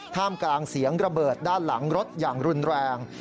ท่ามกลางเสียงระเบิดด้านหลังรถอย่างรุนแรง